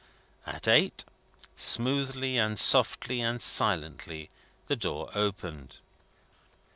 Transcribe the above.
At eight, smoothly and softly and silently the door opened.